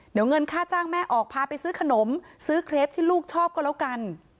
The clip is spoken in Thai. เดี๋ยวเงินค่าจ้างแม่ออกพาไปซื้อขนมซื้อเครปที่ลูกชอบก็แล้วกัน